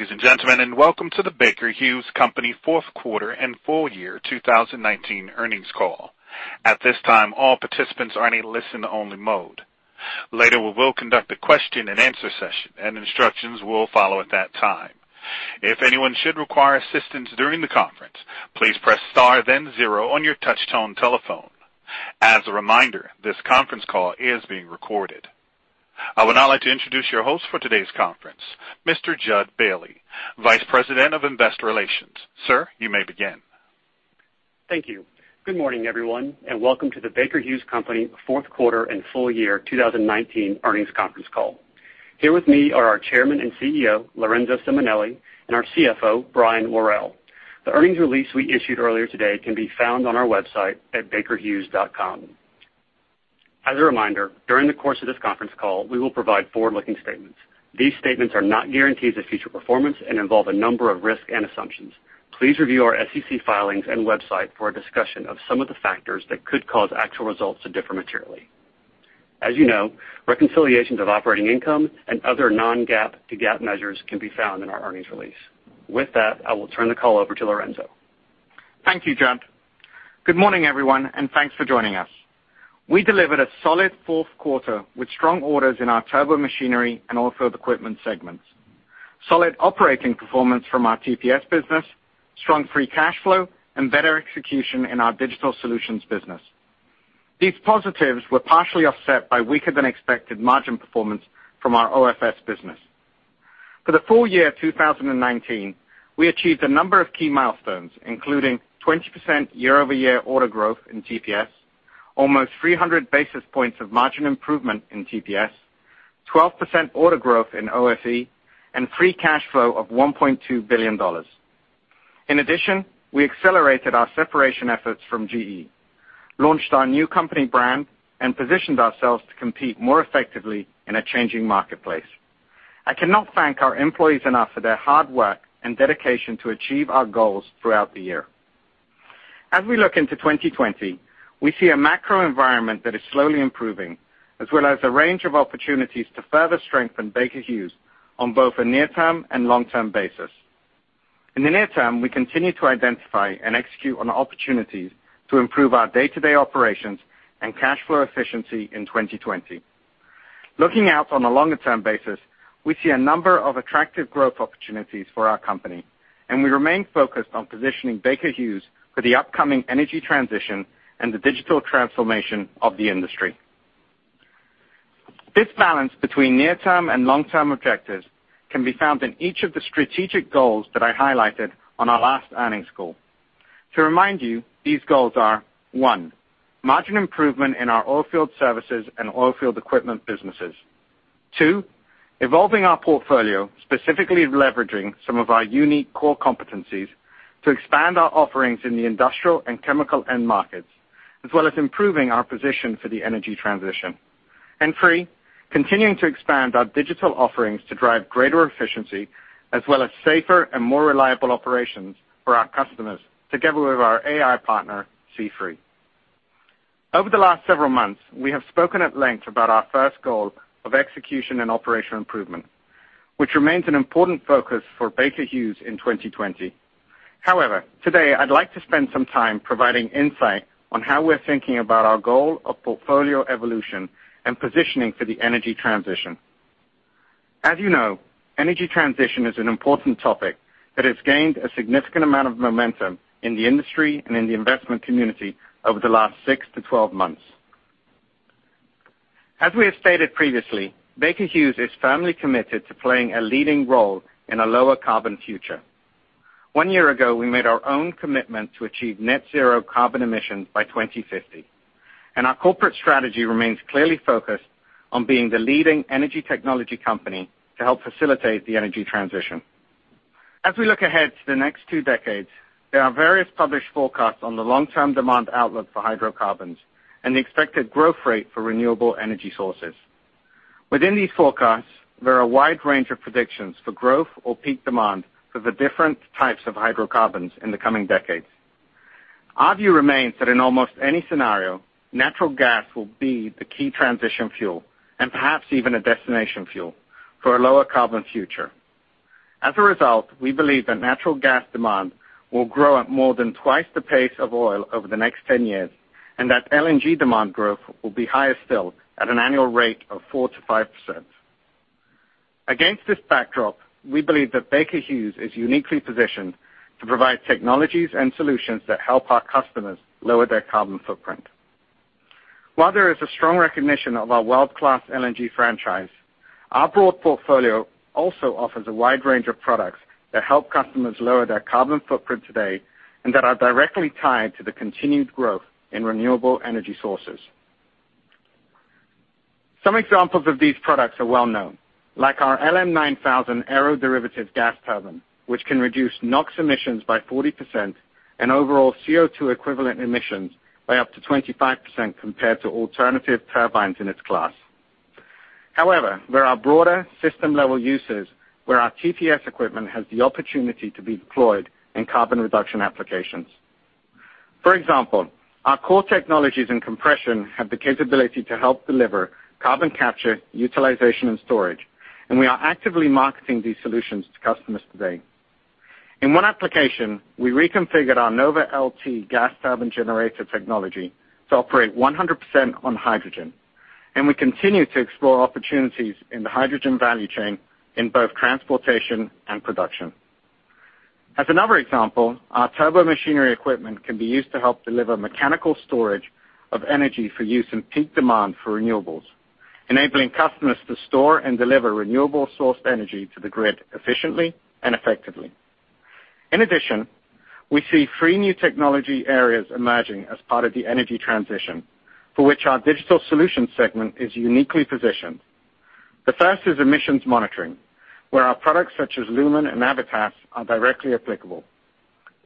Good day, ladies and gentlemen, welcome to the Baker Hughes Company fourth quarter and full year 2019 earnings call. At this time, all participants are in a listen-only mode. Later, we will conduct a question and answer session, and instructions will follow at that time. If anyone should require assistance during the conference, please press star then zero on your touch-tone telephone. As a reminder, this conference call is being recorded. I would now like to introduce your host for today's conference, Mr. Jud Bailey, Vice President of Investor Relations. Sir, you may begin. Thank you. Good morning, everyone, and welcome to the Baker Hughes Company fourth quarter and full year 2019 earnings conference call. Here with me are our Chairman and CEO, Lorenzo Simonelli, and our CFO, Brian Worrell. The earnings release we issued earlier today can be found on our website at bakerhughes.com. As a reminder, during the course of this conference call, we will provide forward-looking statements. These statements are not guarantees of future performance and involve a number of risks and assumptions. Please review our SEC filings and website for a discussion of some of the factors that could cause actual results to differ materially. As you know, reconciliations of operating income and other non-GAAP to GAAP measures can be found in our earnings release. With that, I will turn the call over to Lorenzo. Thank you, Jud. Good morning, everyone, and thanks for joining us. We delivered a solid fourth quarter with strong orders in our Turbomachinery and Oilfield Equipment segments, solid operating performance from our TPS business, strong free cash flow, and better execution in our Digital Solutions business. These positives were partially offset by weaker than expected margin performance from our OFS business. For the full year 2019, we achieved a number of key milestones, including 20% year-over-year order growth in TPS, almost 300 basis points of margin improvement in TPS, 12% order growth in OFE, and free cash flow of $1.2 billion. In addition, we accelerated our separation efforts from GE, launched our new company brand, and positioned ourselves to compete more effectively in a changing marketplace. I cannot thank our employees enough for their hard work and dedication to achieve our goals throughout the year. As we look into 2020, we see a macro environment that is slowly improving, as well as a range of opportunities to further strengthen Baker Hughes on both a near-term and long-term basis. In the near term, we continue to identify and execute on opportunities to improve our day-to-day operations and cash flow efficiency in 2020. Looking out on a longer-term basis, we see a number of attractive growth opportunities for our company, and we remain focused on positioning Baker Hughes for the upcoming energy transition and the digital transformation of the industry. This balance between near-term and long-term objectives can be found in each of the strategic goals that I highlighted on our last earnings call. To remind you, these goals are, one, margin improvement in our Oilfield Services and Oilfield Equipment businesses. Two, evolving our portfolio, specifically leveraging some of our unique core competencies to expand our offerings in the industrial and chemical end markets, as well as improving our position for the energy transition. Three, continuing to expand our digital offerings to drive greater efficiency, as well as safer and more reliable operations for our customers, together with our AI partner, C3. Over the last several months, we have spoken at length about our first goal of execution and operational improvement, which remains an important focus for Baker Hughes in 2020. However, today I'd like to spend some time providing insight on how we're thinking about our goal of portfolio evolution and positioning for the energy transition. As you know, energy transition is an important topic that has gained a significant amount of momentum in the industry and in the investment community over the last 6-12 months. As we have stated previously, Baker Hughes is firmly committed to playing a leading role in a lower carbon future. One year ago, we made our own commitment to achieve net-zero carbon emissions by 2050, and our corporate strategy remains clearly focused on being the leading energy technology company to help facilitate the energy transition. As we look ahead to the next two decades, there are various published forecasts on the long-term demand outlook for hydrocarbons and the expected growth rate for renewable energy sources. Within these forecasts, there are a wide range of predictions for growth or peak demand for the different types of hydrocarbons in the coming decades. Our view remains that in almost any scenario, natural gas will be the key transition fuel, and perhaps even a destination fuel for a lower carbon future. As a result, we believe that natural gas demand will grow at more than twice the pace of oil over the next 10 years, and that LNG demand growth will be higher still at an annual rate of 4%-5%. Against this backdrop, we believe that Baker Hughes is uniquely positioned to provide technologies and solutions that help our customers lower their carbon footprint. While there is a strong recognition of our world-class LNG franchise, our broad portfolio also offers a wide range of products that help customers lower their carbon footprint today and that are directly tied to the continued growth in renewable energy sources. Some examples of these products are well-known, like our LM9000 aeroderivative gas turbine, which can reduce NOx emissions by 40% and overall CO2 equivalent emissions by up to 25% compared to alternative turbines in its class. However, there are broader system-level uses where our TPS equipment has the opportunity to be deployed in carbon reduction applications. For example, our core technologies in compression have the capability to help deliver carbon capture, utilization, and storage, and we are actively marketing these solutions to customers today. In one application, we reconfigured our NovaLT gas turbine generator technology to operate 100% on hydrogen, and we continue to explore opportunities in the hydrogen value chain in both transportation and production. As another example, our turbomachinery equipment can be used to help deliver mechanical storage of energy for use in peak demand for renewables, enabling customers to store and deliver renewable source energy to the grid efficiently and effectively. In addition, we see three new technology areas emerging as part of the energy transition, for which our Digital Solutions segment is uniquely positioned. The first is emissions monitoring, where our products such as LUMEN and Avitas are directly applicable.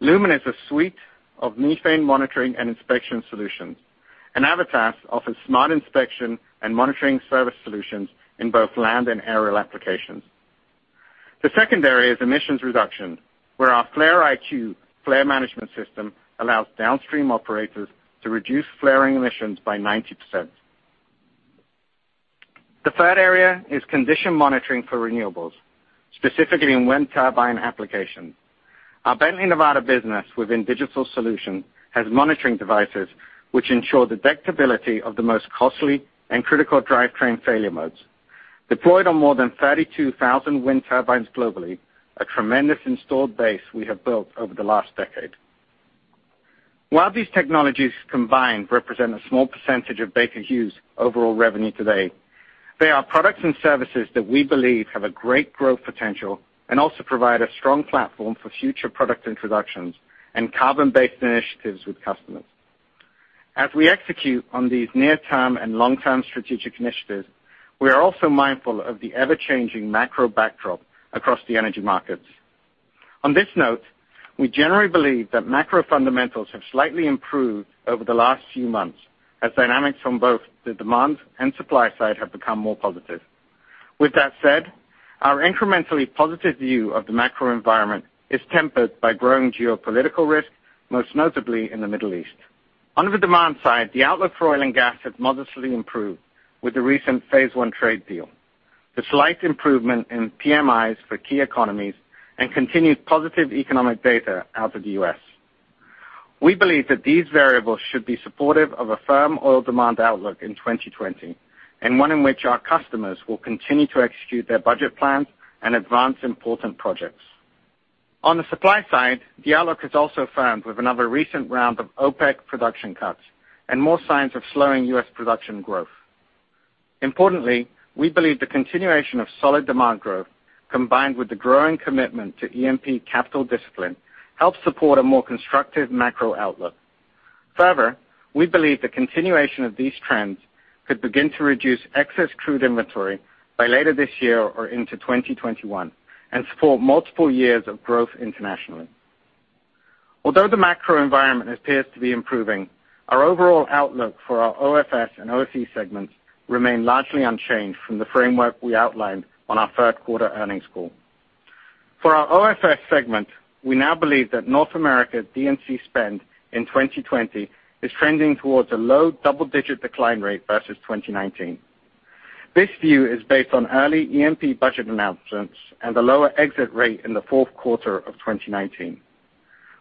LUMEN is a suite of methane monitoring and inspection solutions, and Avitas offers smart inspection and monitoring service solutions in both land and aerial applications. The second area is emissions reduction, where our flare. IQ flare management system allows downstream operators to reduce flaring emissions by 90%. The third area is condition monitoring for renewables, specifically in wind turbine applications. Our Bently Nevada business within Digital Solution has monitoring devices which ensure detectability of the most costly and critical drivetrain failure modes deployed on more than 32,000 wind turbines globally, a tremendous installed base we have built over the last decade. While these technologies combined represent a small percentage of Baker Hughes' overall revenue today, they are products and services that we believe have a great growth potential and also provide a strong platform for future product introductions and carbon-based initiatives with customers. As we execute on these near-term and long-term strategic initiatives, we are also mindful of the ever-changing macro backdrop across the energy markets. On this note, we generally believe that macro fundamentals have slightly improved over the last few months, as dynamics from both the demand and supply side have become more positive. With that said, our incrementally positive view of the macro environment is tempered by growing geopolitical risk, most notably in the Middle East. On the demand side, the outlook for oil and gas has modestly improved with the recent phase one trade deal, the slight improvement in PMIs for key economies, and continued positive economic data out of the U.S. We believe that these variables should be supportive of a firm oil demand outlook in 2020, and one in which our customers will continue to execute their budget plans and advance important projects. On the supply side, the outlook has also firmed with another recent round of OPEC production cuts and more signs of slowing U.S. production growth. Importantly, we believe the continuation of solid demand growth, combined with the growing commitment to E&P capital discipline, helps support a more constructive macro outlook. Further, we believe the continuation of these trends could begin to reduce excess crude inventory by later this year or into 2021 and support multiple years of growth internationally. Although the macro environment appears to be improving, our overall outlook for our OFS and OFE segments remain largely unchanged from the framework we outlined on our third quarter earnings call. For our OFS segment, we now believe that North America D&C spend in 2020 is trending towards a low double-digit decline rate versus 2019. This view is based on early E&P budget announcements and a lower exit rate in the fourth quarter of 2019.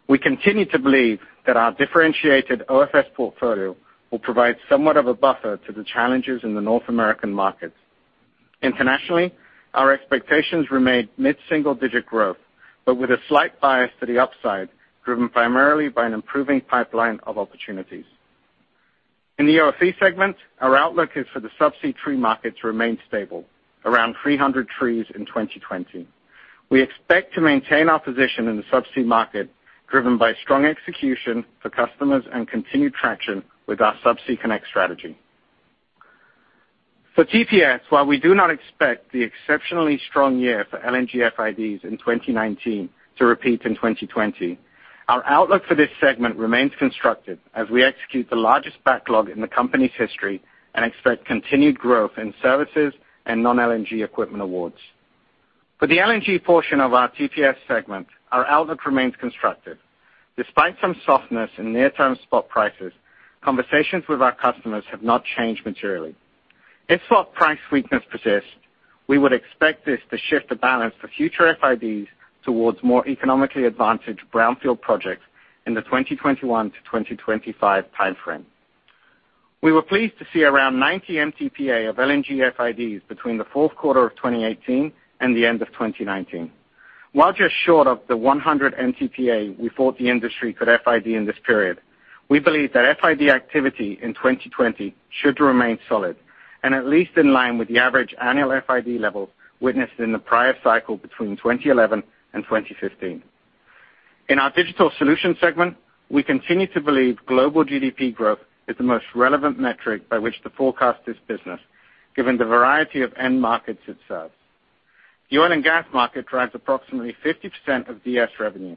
We continue to believe that our differentiated OFS portfolio will provide somewhat of a buffer to the challenges in the North American markets. Internationally, our expectations remain mid-single digit growth, but with a slight bias to the upside, driven primarily by an improving pipeline of opportunities. In the OFE segment, our outlook is for the subsea tree market to remain stable, around 300 trees in 2020. We expect to maintain our position in the subsea market, driven by strong execution for customers and continued traction with our Subsea Connect strategy. For TPS, while we do not expect the exceptionally strong year for LNG FIDs in 2019 to repeat in 2020, our outlook for this segment remains constructive as we execute the largest backlog in the company's history and expect continued growth in services and non-LNG equipment awards. For the LNG portion of our TPS segment, our outlook remains constructive. Despite some softness in near-term spot prices, conversations with our customers have not changed materially. If spot price weakness persists, we would expect this to shift the balance for future FIDs towards more economically advantaged brownfield projects in the 2021-2025 timeframe. We were pleased to see around 90 MTPA of LNG FIDs between the fourth quarter of 2018 and the end of 2019. While just short of the 100 MTPA we thought the industry could FID in this period, we believe that FID activity in 2020 should remain solid and at least in line with the average annual FID level witnessed in the prior cycle between 2011 and 2015. In our Digital Solutions segment, we continue to believe global GDP growth is the most relevant metric by which to forecast this business, given the variety of end markets it serves. The oil and gas market drives approximately 50% of DS revenue,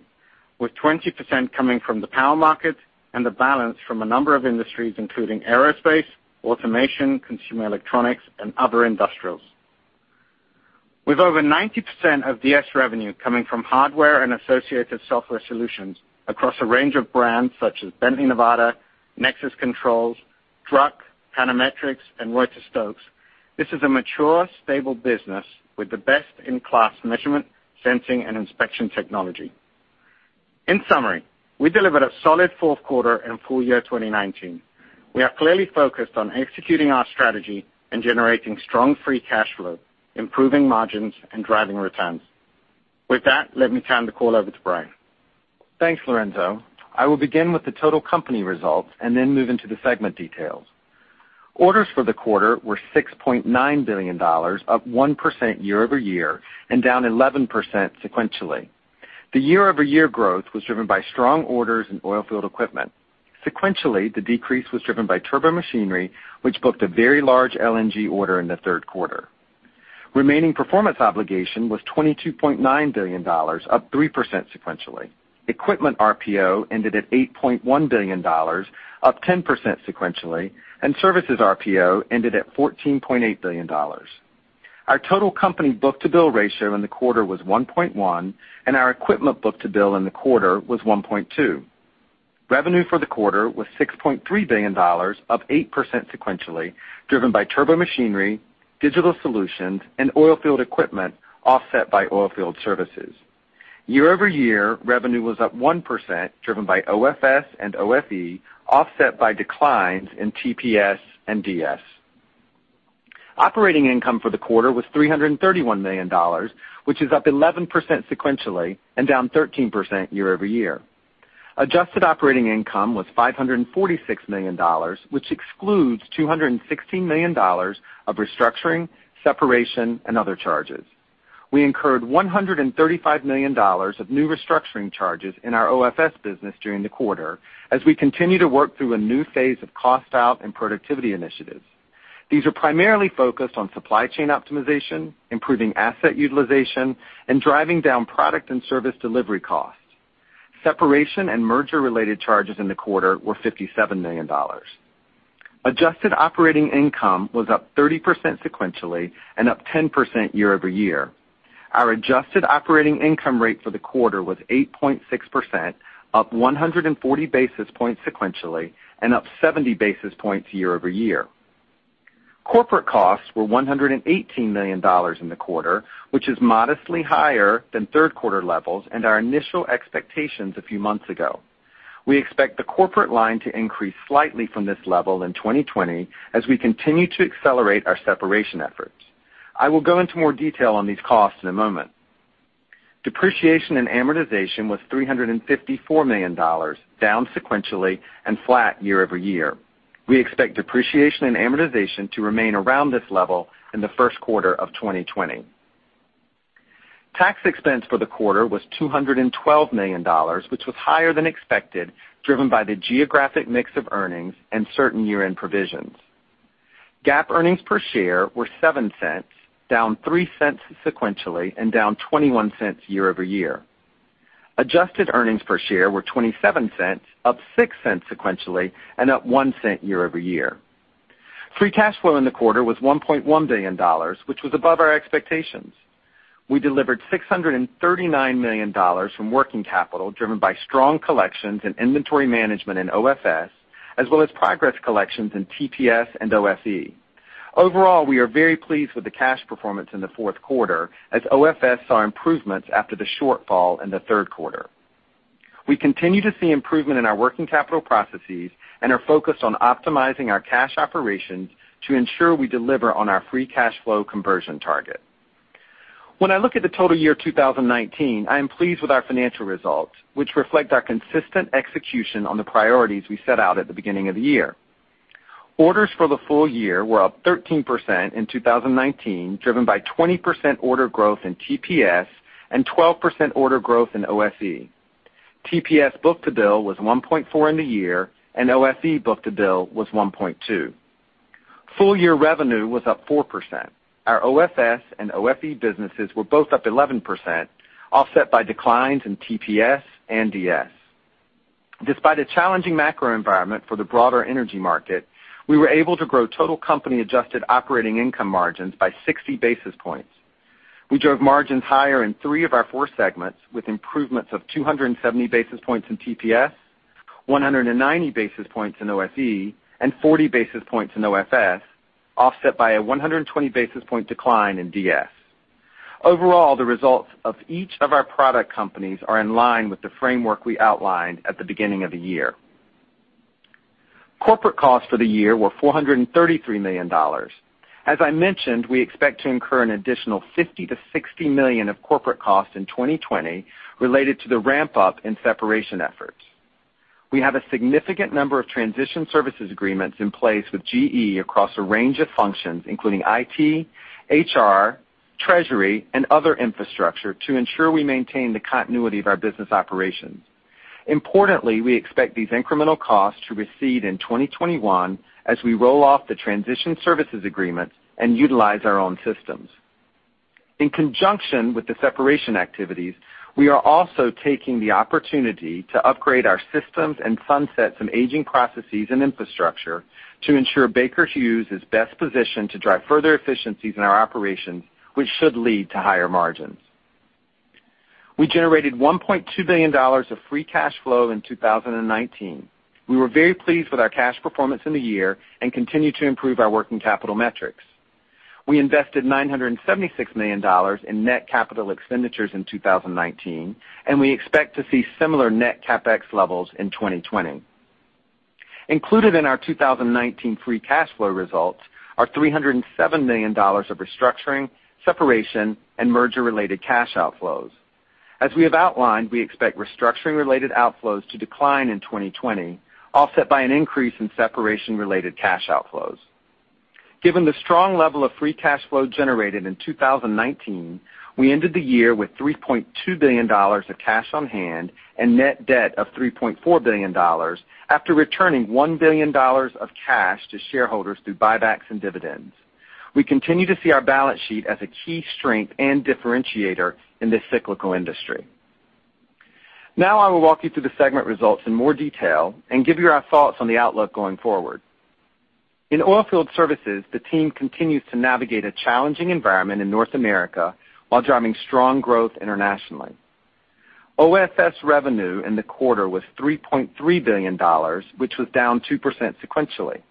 with 20% coming from the power market and the balance from a number of industries, including aerospace, automation, consumer electronics, and other industrials. With over 90% of DS revenue coming from hardware and associated software solutions across a range of brands such as Bently Nevada, Nexus Controls, Druck, Panametrics, and Reuter-Stokes. This is a mature, stable business with the best-in-class measurement, sensing, and inspection technology. In summary, we delivered a solid fourth quarter and full year 2019. We are clearly focused on executing our strategy and generating strong free cash flow, improving margins, and driving returns. With that, let me turn the call over to Brian. Thanks, Lorenzo. I will begin with the total company results and then move into the segment details. Orders for the quarter were $6.9 billion, up 1% year-over-year and down 11% sequentially. The year-over-year growth was driven by strong orders in Oilfield Equipment. Sequentially, the decrease was driven by Turbomachinery, which booked a very large LNG order in the third quarter. Remaining performance obligation was $22.9 billion, up 3% sequentially. Equipment RPO ended at $8.1 billion, up 10% sequentially, and services RPO ended at $14.8 billion. Our total company book-to-bill ratio in the quarter was 1.1, and our equipment book-to-bill in the quarter was 1.2. Revenue for the quarter was $6.3 billion, up 8% sequentially, driven by Turbomachinery, Digital Solutions, and Oilfield Equipment, offset by Oilfield Services. Year-over-year, revenue was up 1%, driven by OFS and OFE, offset by declines in TPS and DS. Operating income for the quarter was $331 million, which is up 11% sequentially and down 13% year-over-year. Adjusted operating income was $546 million, which excludes $216 million of restructuring, separation, and other charges. We incurred $135 million of new restructuring charges in our OFS business during the quarter as we continue to work through a new phase of cost out and productivity initiatives. These are primarily focused on supply chain optimization, improving asset utilization, and driving down product and service delivery costs. Separation and merger-related charges in the quarter were $57 million. Adjusted operating income was up 30% sequentially and up 10% year-over-year. Our adjusted operating income rate for the quarter was 8.6%, up 140 basis points sequentially and up 70 basis points year-over-year. Corporate costs were $118 million in the quarter, which is modestly higher than third quarter levels and our initial expectations a few months ago. We expect the corporate line to increase slightly from this level in 2020 as we continue to accelerate our separation efforts. I will go into more detail on these costs in a moment. Depreciation and amortization was $354 million, down sequentially and flat year-over-year. We expect depreciation and amortization to remain around this level in the first quarter of 2020. Tax expense for the quarter was $212 million, which was higher than expected, driven by the geographic mix of earnings and certain year-end provisions. GAAP earnings per share were $0.07, down $0.03 sequentially and down $0.21 year-over-year. Adjusted earnings per share were $0.27, up $0.06 sequentially and up $0.01 year-over-year. Free cash flow in the quarter was $1.1 billion, which was above our expectations. We delivered $639 million from working capital, driven by strong collections and inventory management in OFS, as well as progress collections in TPS and OFE. Overall, we are very pleased with the cash performance in the fourth quarter as OFS saw improvements after the shortfall in the third quarter. We continue to see improvement in our working capital processes and are focused on optimizing our cash operations to ensure we deliver on our free cash flow conversion target. When I look at the total year 2019, I am pleased with our financial results, which reflect our consistent execution on the priorities we set out at the beginning of the year. Orders for the full year were up 13% in 2019, driven by 20% order growth in TPS and 12% order growth in OFE. TPS book-to-bill was 1.4 in the year, and OFE book-to-bill was 1.2. Full year revenue was up 4%. Our OFS and OFE businesses were both up 11%, offset by declines in TPS and DS. Despite a challenging macro environment for the broader energy market, we were able to grow total company adjusted operating income margins by 60 basis points. We drove margins higher in three of our four segments, with improvements of 270 basis points in TPS, 190 basis points in OFE, and 40 basis points in OFS, offset by a 120 basis point decline in DS. Overall, the results of each of our product companies are in line with the framework we outlined at the beginning of the year. Corporate costs for the year were $433 million. As I mentioned, we expect to incur an additional $50 million-$60 million of corporate costs in 2020 related to the ramp-up in separation efforts. We have a significant number of transition services agreements in place with GE across a range of functions, including IT, HR, treasury, and other infrastructure to ensure we maintain the continuity of our business operations. Importantly, we expect these incremental costs to recede in 2021 as we roll off the transition services agreements and utilize our own systems. In conjunction with the separation activities, we are also taking the opportunity to upgrade our systems and sunset some aging processes and infrastructure to ensure Baker Hughes is best positioned to drive further efficiencies in our operations, which should lead to higher margins. We generated $1.2 billion of free cash flow in 2019. We were very pleased with our cash performance in the year and continue to improve our working capital metrics. We invested $976 million in net capital expenditures in 2019, and we expect to see similar net CapEx levels in 2020. Included in our 2019 free cash flow results are $307 million of restructuring, separation, and merger related cash outflows. As we have outlined, we expect restructuring related outflows to decline in 2020, offset by an increase in separation related cash outflows. Given the strong level of free cash flow generated in 2019, we ended the year with $3.2 billion of cash on hand and net debt of $3.4 billion after returning $1 billion of cash to shareholders through buybacks and dividends. We continue to see our balance sheet as a key strength and differentiator in this cyclical industry. Now I will walk you through the segment results in more detail and give you our thoughts on the outlook going forward. In Oilfield Services, the team continues to navigate a challenging environment in North America while driving strong growth internationally. OFS revenue in the quarter was $3.3 billion, which was down 2% sequentially.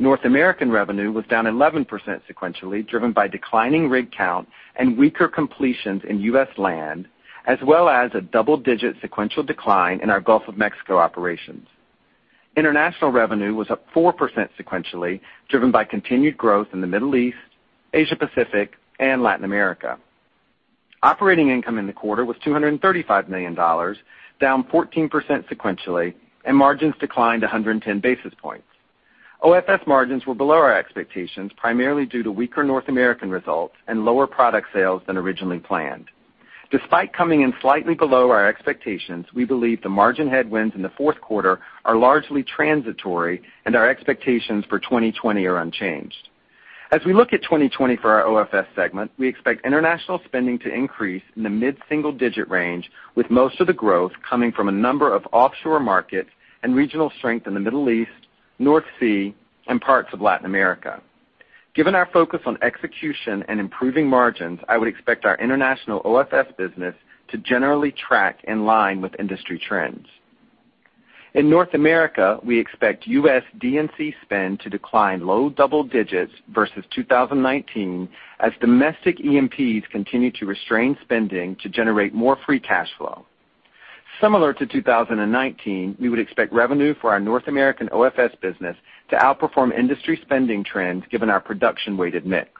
North American revenue was down 11% sequentially, driven by declining rig count and weaker completions in U.S. land, as well as a double-digit sequential decline in our Gulf of Mexico operations. International revenue was up 4% sequentially, driven by continued growth in the Middle East, Asia-Pacific, and Latin America. Operating income in the quarter was $235 million, down 14% sequentially, and margins declined 110 basis points. OFS margins were below our expectations, primarily due to weaker North American results and lower product sales than originally planned. Despite coming in slightly below our expectations, we believe the margin headwinds in the fourth quarter are largely transitory and our expectations for 2020 are unchanged. As we look at 2020 for our OFS segment, we expect international spending to increase in the mid-single digit range, with most of the growth coming from a number of offshore markets and regional strength in the Middle East, North Sea, and parts of Latin America. Given our focus on execution and improving margins, I would expect our international OFS business to generally track in line with industry trends. In North America, we expect U.S. D&C spend to decline low double digits versus 2019 as domestic E&Ps continue to restrain spending to generate more free cash flow. Similar to 2019, we would expect revenue for our North American OFS business to outperform industry spending trends given our production-weighted mix.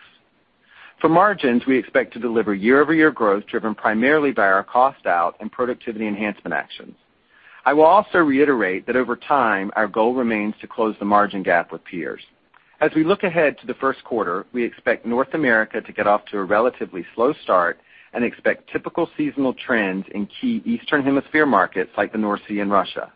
For margins, we expect to deliver year-over-year growth driven primarily by our cost out and productivity enhancement actions. I will also reiterate that over time, our goal remains to close the margin gap with peers. As we look ahead to the first quarter, we expect North America to get off to a relatively slow start and expect typical seasonal trends in key Eastern Hemisphere markets like the North Sea and Russia.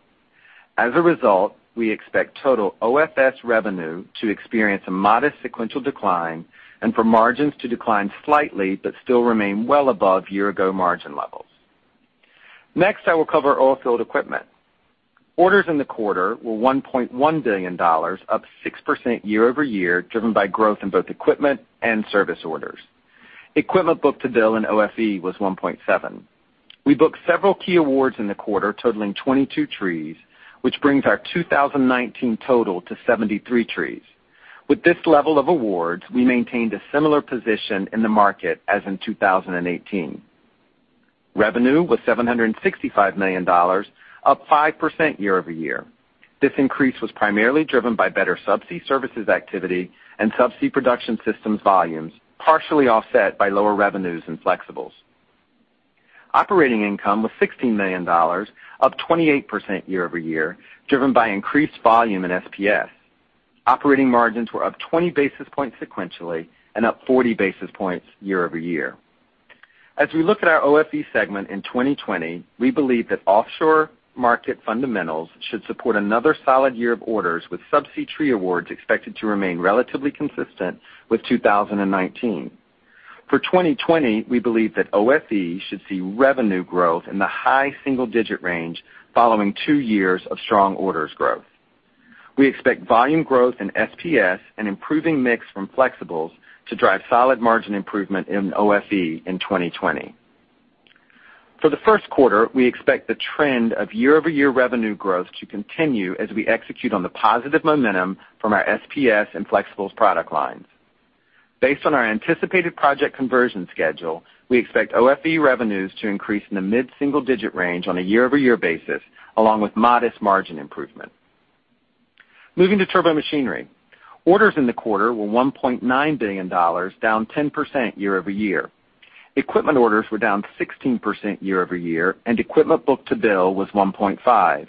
As a result, we expect total OFS revenue to experience a modest sequential decline and for margins to decline slightly but still remain well above year-ago margin levels. Next, I will cover Oilfield Equipment. Orders in the quarter were $1.1 billion, up 6% year-over-year, driven by growth in both equipment and service orders. Equipment book-to-bill in OFE was 1.7. We booked several key awards in the quarter, totaling 22 trees, which brings our 2019 total to 73 trees. With this level of awards, we maintained a similar position in the market as in 2018. Revenue was $765 million, up 5% year-over-year. This increase was primarily driven by better subsea services activity and subsea production systems volumes, partially offset by lower revenues and flexibles. Operating income was $16 million, up 28% year-over-year, driven by increased volume in SPS. Operating margins were up 20 basis points sequentially and up 40 basis points year-over-year. As we look at our OFE segment in 2020, we believe that offshore market fundamentals should support another solid year of orders, with subsea tree awards expected to remain relatively consistent with 2019. For 2020, we believe that OFE should see revenue growth in the high single digit range following two years of strong orders growth. We expect volume growth in SPS and improving mix from flexibles to drive solid margin improvement in OFE in 2020. For the first quarter, we expect the trend of year-over-year revenue growth to continue as we execute on the positive momentum from our SPS and flexibles product lines. Based on our anticipated project conversion schedule, we expect OFE revenues to increase in the mid-single digit range on a year-over-year basis, along with modest margin improvement. Moving to Turbomachinery. Orders in the quarter were $1.9 billion, down 10% year-over-year. Equipment orders were down 16% year-over-year, and equipment book-to-bill was 1.5.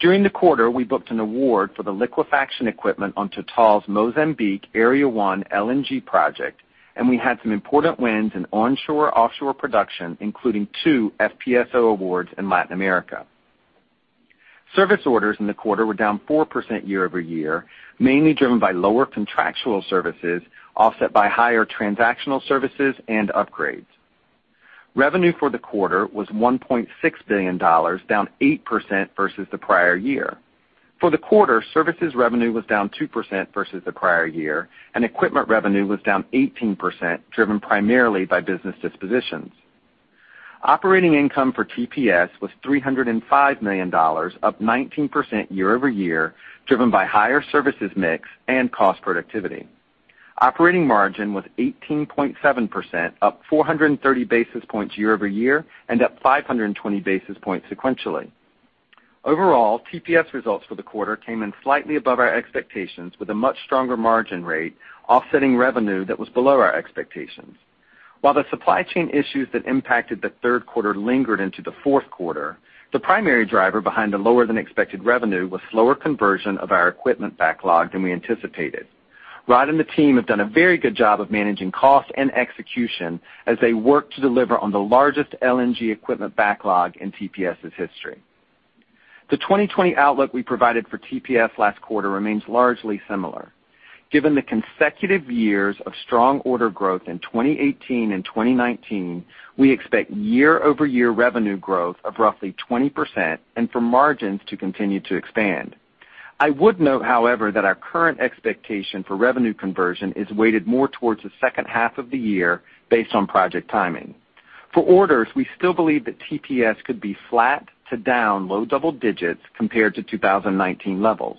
During the quarter, we booked an award for the liquefaction equipment on Total's Mozambique Area 1 LNG project, and we had some important wins in onshore-offshore production, including two FPSO awards in Latin America. Service orders in the quarter were down 4% year-over-year, mainly driven by lower contractual services, offset by higher transactional services and upgrades. Revenue for the quarter was $1.6 billion, down 8% versus the prior year. For the quarter, services revenue was down 2% versus the prior year, and equipment revenue was down 18%, driven primarily by business dispositions. Operating income for TPS was $305 million, up 19% year-over-year, driven by higher services mix and cost productivity. Operating margin was 18.7%, up 430 basis points year-over-year, and up 520 basis points sequentially. Overall, TPS results for the quarter came in slightly above our expectations, with a much stronger margin rate offsetting revenue that was below our expectations. While the supply chain issues that impacted the third quarter lingered into the fourth quarter, the primary driver behind the lower-than-expected revenue was slower conversion of our equipment backlog than we anticipated. Rod and the team have done a very good job of managing costs and execution as they work to deliver on the largest LNG equipment backlog in TPS's history. The 2020 outlook we provided for TPS last quarter remains largely similar. Given the consecutive years of strong order growth in 2018 and 2019, we expect year-over-year revenue growth of roughly 20% and for margins to continue to expand. I would note, however, that our current expectation for revenue conversion is weighted more towards the second half of the year based on project timing. For orders, we still believe that TPS could be flat to down low double digits compared to 2019 levels.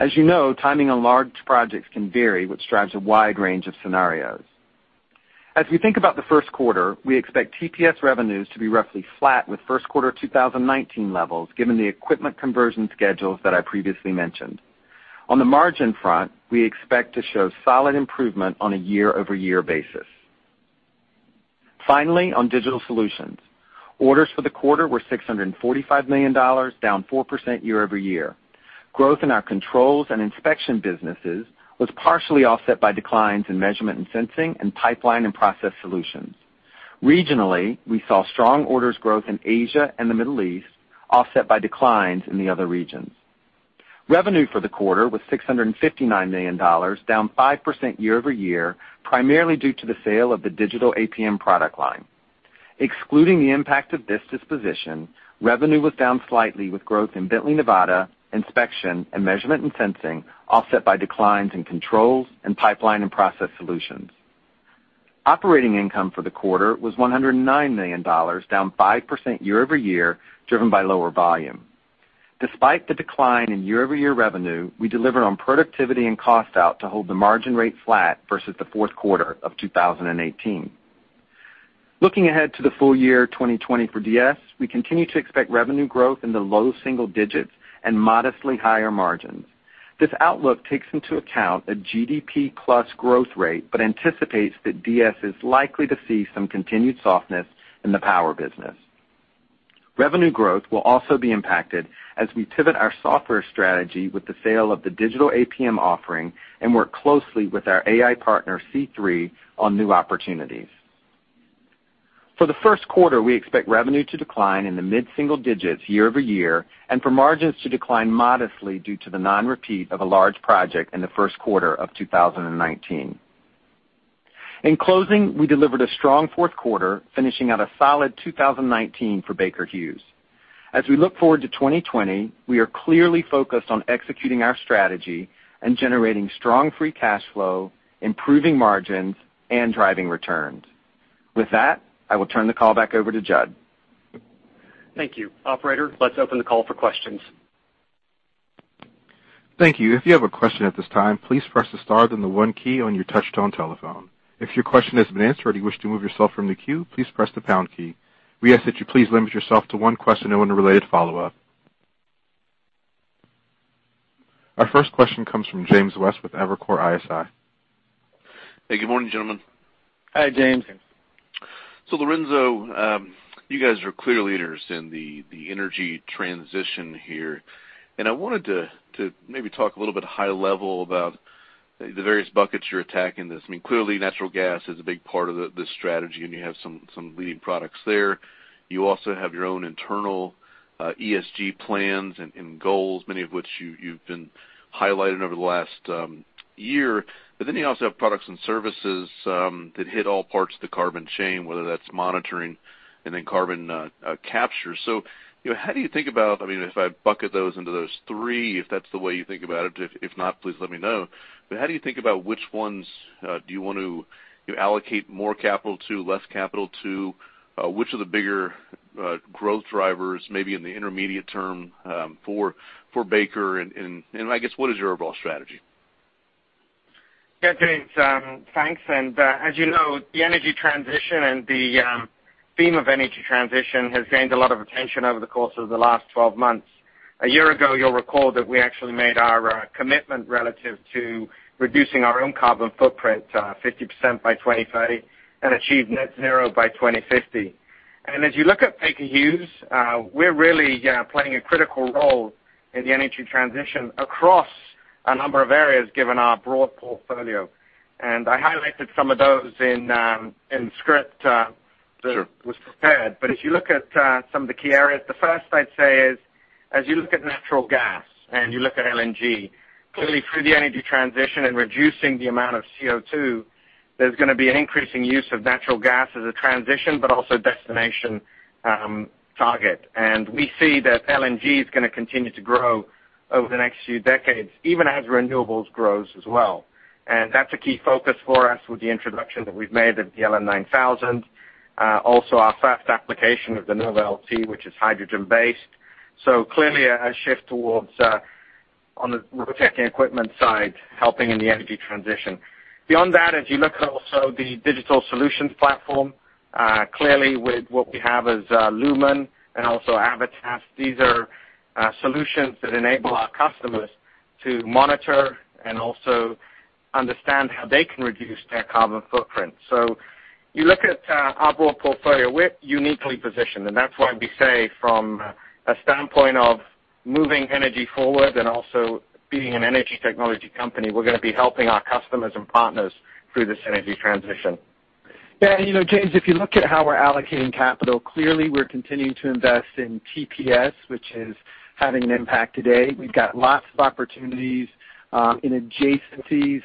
As you know, timing on large projects can vary, which drives a wide range of scenarios. As we think about the first quarter, we expect TPS revenues to be roughly flat with first quarter 2019 levels, given the equipment conversion schedules that I previously mentioned. On the margin front, we expect to show solid improvement on a year-over-year basis. Finally, on Digital Solutions. Orders for the quarter were $645 million, down 4% year-over-year. Growth in our controls and inspection businesses was partially offset by declines in Measurement & Sensing and Pipeline & Process solutions. Regionally, we saw strong orders growth in Asia and the Middle East, offset by declines in the other regions. Revenue for the quarter was $659 million, down 5% year-over-year, primarily due to the sale of the digital APM product line. Excluding the impact of this disposition, revenue was down slightly with growth in Bently Nevada, inspection, and Measurement & Sensing offset by declines in Controls and Pipeline & Process solutions. Operating income for the quarter was $109 million, down 5% year-over-year, driven by lower volume. Despite the decline in year-over-year revenue, we delivered on productivity and cost out to hold the margin rate flat versus the fourth quarter of 2018. Looking ahead to the full year 2020 for DS, we continue to expect revenue growth in the low single digits and modestly higher margins. This outlook takes into account a GDP plus growth rate, but anticipates that DS is likely to see some continued softness in the power business. Revenue growth will also be impacted as we pivot our software strategy with the sale of the digital APM offering and work closely with our AI partner, C3, on new opportunities. For the first quarter, we expect revenue to decline in the mid-single digits year-over-year and for margins to decline modestly due to the non-repeat of a large project in the first quarter of 2019. In closing, we delivered a strong fourth quarter, finishing out a solid 2019 for Baker Hughes. As we look forward to 2020, we are clearly focused on executing our strategy and generating strong free cash flow, improving margins, and driving returns. With that, I will turn the call back over to Jud. Thank you. Operator, let's open the call for questions. Thank you. If you have a question at this time, please press the star then the one key on your touch-tone telephone. If your question has been answered or you wish to remove yourself from the queue, please press the pound key. We ask that you please limit yourself to one question and one related follow-up. Our first question comes from James West with Evercore ISI. Hey, good morning, gentlemen. Hi, James. Lorenzo, you guys are clear leaders in the energy transition here, and I wanted to maybe talk a little bit high level about the various buckets you're attacking this. Natural gas is a big part of this strategy, and you have some leading products there. You also have your own internal ESG plans and goals, many of which you've been highlighting over the last year. You also have products and services that hit all parts of the carbon chain, whether that's monitoring and then carbon capture. How do you think about, if I bucket those into those three, if that's the way you think about it, if not, please let me know. How do you think about which ones do you want to allocate more capital to, less capital to? Which are the bigger growth drivers, maybe in the intermediate term, for Baker? I guess, what is your overall strategy? Yeah, James. Thanks. As you know, the energy transition and the theme of energy transition has gained a lot of attention over the course of the last 12 months. A year ago, you'll recall that we actually made our commitment relative to reducing our own carbon footprint 50% by 2030 and achieve net zero by 2050. As you look at Baker Hughes, we're really playing a critical role in the energy transition across a number of areas given our broad portfolio. I highlighted some of those in script Sure that was prepared. If you look at some of the key areas, the first I'd say is, as you look at natural gas and you look at LNG, clearly through the energy transition and reducing the amount of CO2, there's going to be an increasing use of natural gas as a transition but also destination target. We see that LNG is going to continue to grow over the next few decades, even as renewables grows as well. That's a key focus for us with the introduction that we've made of the LM9000. Also our first application of the NovaLT, which is hydrogen-based. Clearly a shift towards, on the rotating equipment side, helping in the energy transition. Beyond that, as you look at also the Digital Solutions platform, clearly with what we have as LUMEN and also Avitas, these are solutions that enable our customers to monitor and also understand how they can reduce their carbon footprint. You look at our broad portfolio, we're uniquely positioned, and that's why we say from a standpoint of moving energy forward and also being an energy technology company, we're going to be helping our customers and partners through this energy transition. Yeah. James, if you look at how we're allocating capital, clearly we're continuing to invest in TPS, which is having an impact today. We've got lots of opportunities, in adjacencies,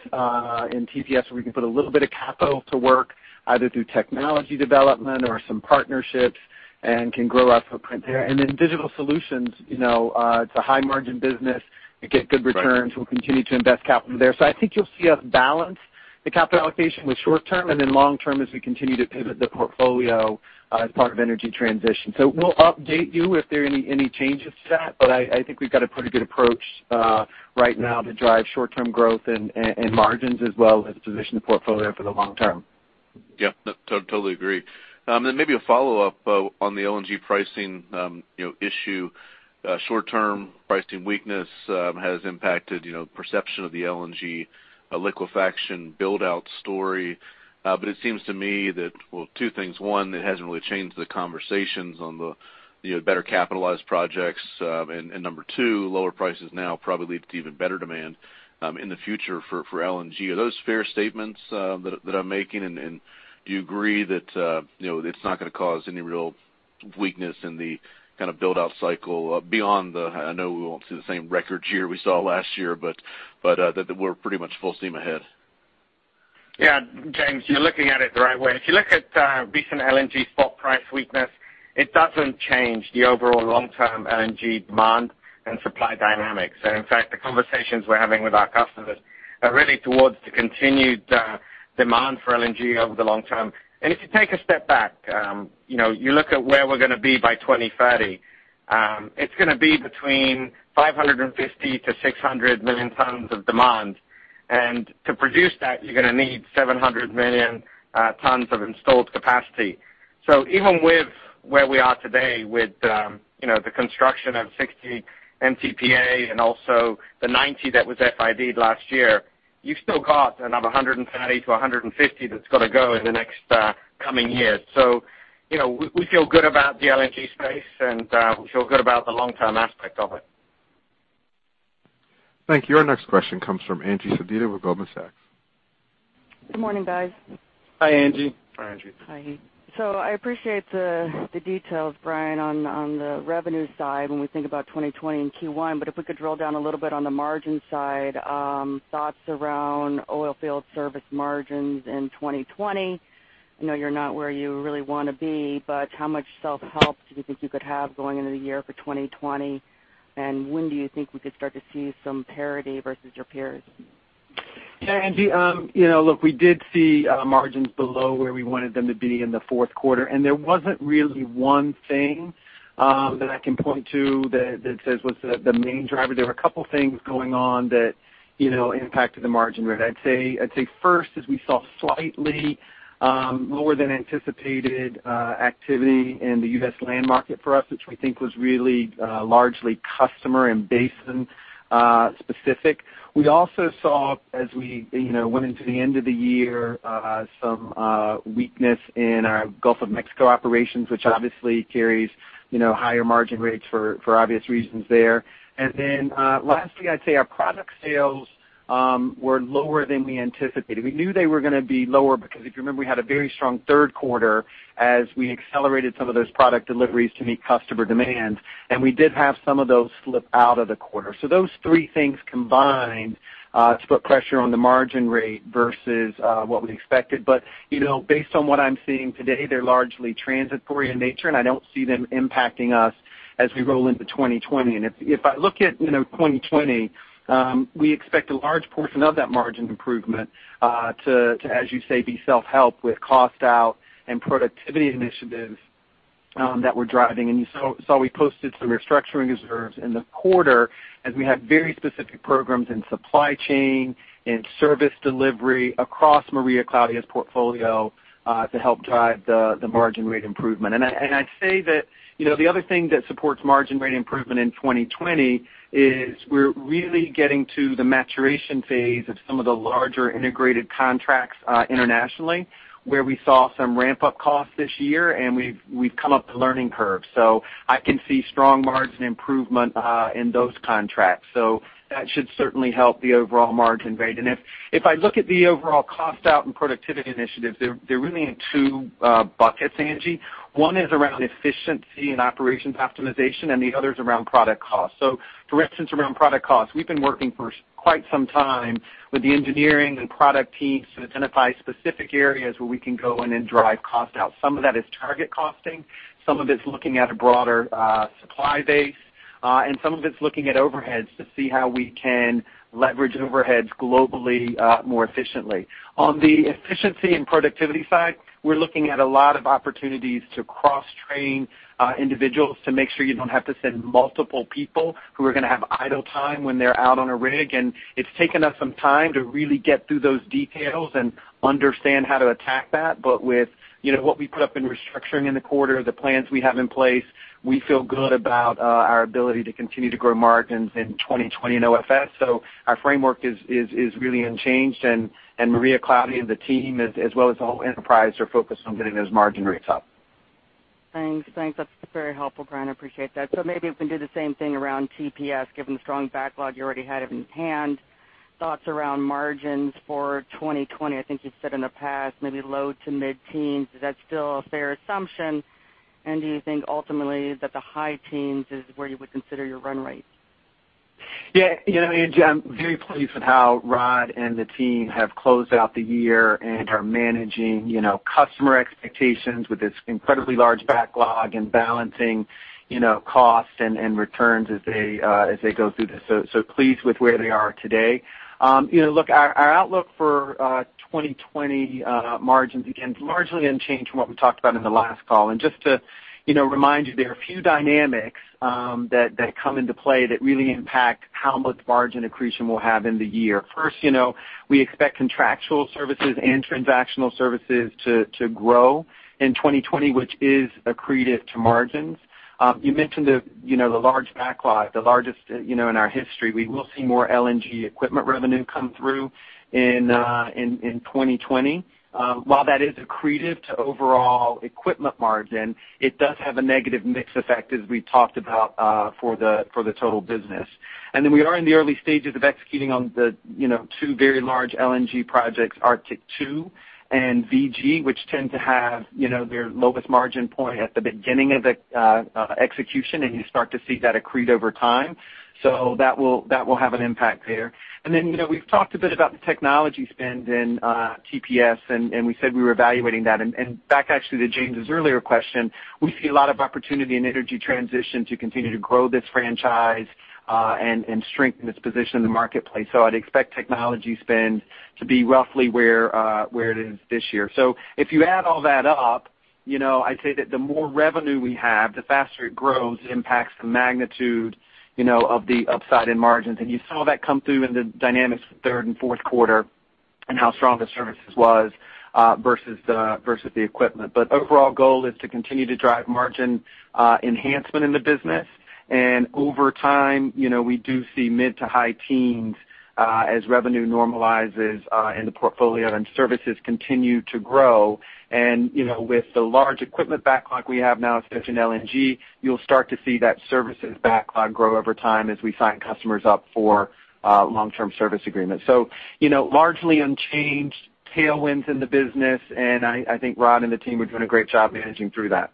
in TPS, where we can put a little bit of capital to work, either through technology development or some partnerships, and can grow our footprint there. Digital solutions, it's a high-margin business. We get good returns. Right. We'll continue to invest capital there. I think you'll see us balance the capital allocation with short term and then long term as we continue to pivot the portfolio as part of energy transition. We'll update you if there are any changes to that, but I think we've got a pretty good approach right now to drive short-term growth and margins as well as position the portfolio for the long term. Yeah. No, totally agree. Maybe a follow-up on the LNG pricing issue. Short-term pricing weakness has impacted perception of the LNG liquefaction build-out story. It seems to me that, well, two things. One, it hasn't really changed the conversations on the better capitalized projects. Number two, lower prices now probably lead to even better demand in the future for LNG. Are those fair statements that I'm making, and do you agree that it's not going to cause any real weakness in the build-out cycle, I know we won't see the same record year we saw last year, but that we're pretty much full steam ahead? Yeah. James, you're looking at it the right way. If you look at recent LNG spot price weakness, it doesn't change the overall long-term LNG demand and supply dynamics. In fact, the conversations we're having with our customers are really towards the continued demand for LNG over the long term. If you take a step back, you look at where we're going to be by 2030. It's going to be between 550 million tons-600 million tons of demand. To produce that, you're going to need 700 million tons of installed capacity. Even with where we are today with the construction of 60 MTPA and also the 90 that was FID last year, you've still got another 130 MTPA-150 MTPA that's got to go in the next coming years. We feel good about the LNG space, and we feel good about the long-term aspect of it. Thank you. Our next question comes from Angie Sedita with Goldman Sachs. Good morning, guys. Hi, Angie. Hi, Angie. Hi. I appreciate the details, Brian, on the revenue side when we think about 2020 in Q1, but if we could drill down a little bit on the margin side, thoughts around Oilfield Services margins in 2020. I know you're not where you really want to be, but how much self-help do you think you could have going into the year for 2020? When do you think we could start to see some parity versus your peers? Yeah, Angie. We did see margins below where we wanted them to be in the fourth quarter. There wasn't really one thing that I can point to that says what's the main driver? There were a couple things going on that impacted the margin rate. I'd say first is we saw slightly lower than anticipated activity in the U.S. land market for us, which we think was really largely customer and basin specific. We also saw, as we went into the end of the year, some weakness in our Gulf of Mexico operations, which obviously carries higher margin rates for obvious reasons there. Lastly, I'd say our product sales were lower than we anticipated. We knew they were going to be lower because if you remember, we had a very strong third quarter as we accelerated some of those product deliveries to meet customer demand, and we did have some of those slip out of the quarter. Those three things combined to put pressure on the margin rate versus what we expected. Based on what I'm seeing today, they're largely transitory in nature, and I don't see them impacting us as we roll into 2020. If I look at 2020, we expect a large portion of that margin improvement to, as you say, be self-help with cost out and productivity initiatives that we're driving. You saw we posted some restructuring reserves in the quarter as we have very specific programs in supply chain, in service delivery across Maria Claudia's portfolio to help drive the margin rate improvement. I'd say that the other thing that supports margin rate improvement in 2020 is we're really getting to the maturation phase of some of the larger integrated contracts internationally, where we saw some ramp-up costs this year, and we've come up the learning curve. I can see strong margin improvement in those contracts. That should certainly help the overall margin rate. If I look at the overall cost out and productivity initiatives, they're really in two buckets, Angie. One is around efficiency and operations optimization, and the other is around product cost. For instance, around product costs. We've been working for quite some time with the engineering and product teams to identify specific areas where we can go in and drive costs out. Some of that is target costing, some of it's looking at a broader supply base, and some of it's looking at overheads to see how we can leverage overheads globally more efficiently. On the efficiency and productivity side, we're looking at a lot of opportunities to cross-train individuals to make sure you don't have to send multiple people who are going to have idle time when they're out on a rig. It's taken us some time to really get through those details and understand how to attack that. With what we put up in restructuring in the quarter, the plans we have in place, we feel good about our ability to continue to grow margins in 2020 and OFS. Our framework is really unchanged and Maria Claudia and the team, as well as the whole enterprise, are focused on getting those margin rates up. Thanks. That's very helpful, Brian. I appreciate that. Maybe if we can do the same thing around TPS, given the strong backlog you already had in hand, thoughts around margins for 2020. I think you've said in the past maybe low to mid-teens. Is that still a fair assumption? Do you think ultimately that the high teens is where you would consider your run rate? Yeah, Angie, I'm very pleased with how Rod and the team have closed out the year and are managing customer expectations with this incredibly large backlog and balancing costs and returns as they go through this. Pleased with where they are today. Look, our outlook for 2020 margins, again, largely unchanged from what we talked about in the last call. Just to remind you, there are a few dynamics that come into play that really impact how much margin accretion we'll have in the year. First, we expect contractual services and transactional services to grow in 2020, which is accretive to margins. You mentioned the large backlog, the largest in our history. We will see more LNG equipment revenue come through in 2020. While that is accretive to overall equipment margin, it does have a negative mix effect, as we talked about, for the total business. We are in the early stages of executing on the two very large LNG projects, Arctic-2 and BG, which tend to have their lowest margin point at the beginning of the execution. You start to see that accrete over time. That will have an impact there. We've talked a bit about the technology spend in TPS, and we said we were evaluating that. Back actually to James' earlier question, we see a lot of opportunity in energy transition to continue to grow this franchise and strengthen its position in the marketplace. I'd expect technology spend to be roughly where it is this year. If you add all that up, I'd say that the more revenue we have, the faster it grows, it impacts the magnitude of the upside in margins. You saw that come through in the dynamics for third and fourth quarter and how strong the services was versus the equipment. Overall goal is to continue to drive margin enhancement in the business. Over time, we do see mid to high teens as revenue normalizes in the portfolio and services continue to grow. With the large equipment backlog we have now, especially in LNG, you'll start to see that services backlog grow over time as we sign customers up for long-term service agreements. Largely unchanged tailwinds in the business, and I think Rod and the team are doing a great job managing through that.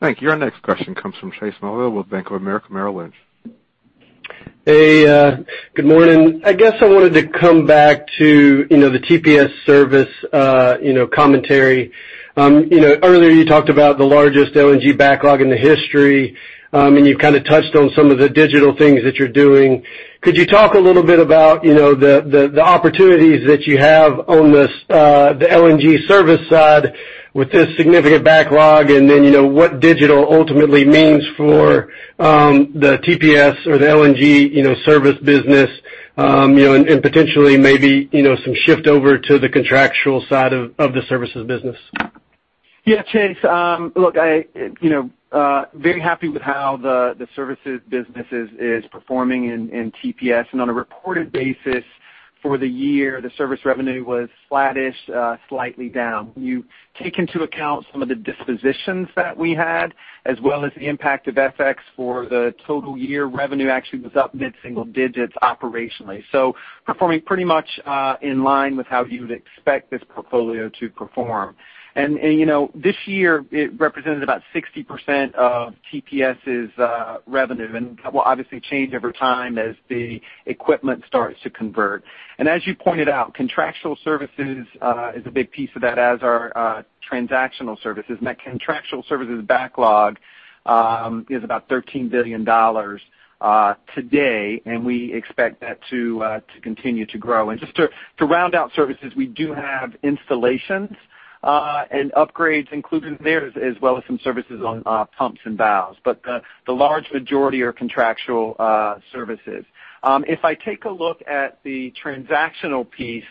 Thank you. Our next question comes from Chase Mulvehill with Bank of America Merrill Lynch. Hey, good morning. I guess I wanted to come back to the TPS service commentary. Earlier you talked about the largest LNG backlog in the history, and you kind of touched on some of the digital things that you're doing. Could you talk a little bit about the opportunities that you have on the LNG service side with this significant backlog and then what digital ultimately means for the TPS or the LNG service business, and potentially maybe some shift over to the contractual side of the services business? Yeah. Chase, look, very happy with how the services business is performing in TPS. On a reported basis for the year, the service revenue was flattish, slightly down. You take into account some of the dispositions that we had as well as the impact of FX for the total year, revenue actually was up mid-single digits operationally. Performing pretty much in line with how you would expect this portfolio to perform. This year it represented about 60% of TPS' revenue, and that will obviously change over time as the equipment starts to convert. As you pointed out, contractual services is a big piece of that, as are transactional services. That contractual services backlog is about $13 billion today, and we expect that to continue to grow. Just to round out services, we do have installations and upgrades included in there, as well as some services on pumps and valves. The large majority are contractual services. If I take a look at the transactional piece,